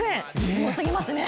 すごすぎますね。